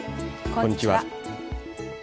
こんにちは。